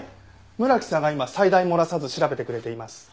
村木さんが今細大漏らさず調べてくれています。